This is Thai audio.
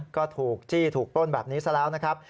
ก็ถูกจี้ถูกปล้นแบบนี้ซะแล้วนะครับ